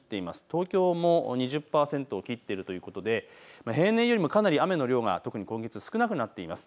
東京も２０％を切っているということで平年よりもかなり雨の量が特に今月、少なくなっています。